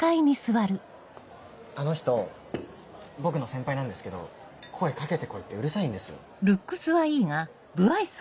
あの人僕の先輩なんですけど声掛けて来いってうるさいんですよ。